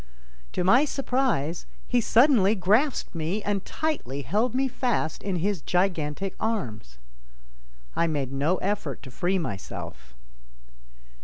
To my surprise, he suddenly grasped me and tightly held me fast in his gigantic arms. I made no effort to free myself.